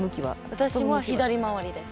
私は左回りです。